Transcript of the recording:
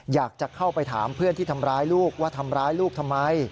อยากจะเข้าไปถามเพื่อนที่ทำร้ายลูกว่าทำร้ายลูกทำไม